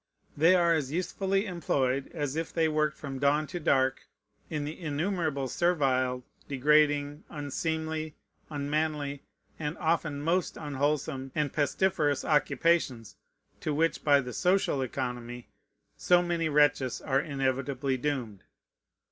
They are as usefully employed as if they worked from dawn to dark in the innumerable servile, degrading, unseemly, unmanly, and often most unwholesome and pestiferous occupations to which by the social economy so many wretches are inevitably doomed.